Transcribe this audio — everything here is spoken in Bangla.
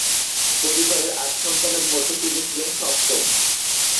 পরিবারের আট সন্তানের মধ্যে তিনি ছিলেন সপ্তম।